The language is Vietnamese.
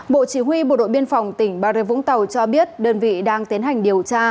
bộ chỉ huy bộ đội biên phòng tỉnh bà rê vũng tàu cho biết đơn vị đang tiến hành điều tra